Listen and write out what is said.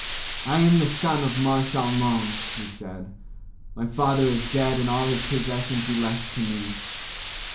"I am the son of Mar Shalmon," he said. "My father is dead, and all his possessions he left to me."